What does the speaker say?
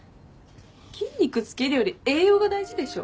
筋肉つけるより栄養が大事でしょ。